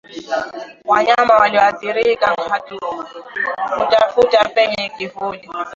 Wanyama walioathirika hutafuta penye kivuli